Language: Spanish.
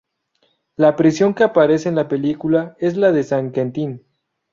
La prisión que aparece en la película es la de San Quentin.